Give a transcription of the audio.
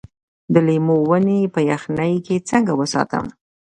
د لیمو ونې په یخنۍ کې څنګه وساتم؟